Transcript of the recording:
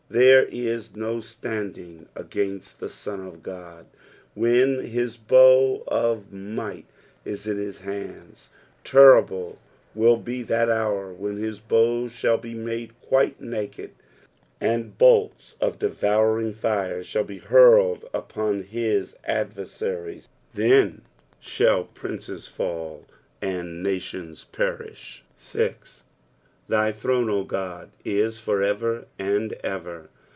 There a no standing against the Son of Ood when his bow of might is in his hands. Terrible will be that hour when his bow shall be made quite nuked, and bolts of devouring fire shall be hurled upon his adversaries ; then shall princes fall and nations periah. S. "Thtj throne, 0 God, it for eeer and ever."